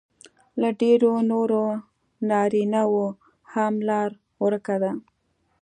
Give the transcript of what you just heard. له ډېرو نورو نارینهو هم لار ورکه ده